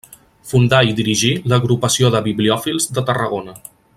Fundà i dirigí l'Agrupació de Bibliòfils de Tarragona.